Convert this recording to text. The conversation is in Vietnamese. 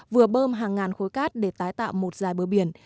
vừa bơm hàng ngàn khối cát để tái tạo một dài bờ biển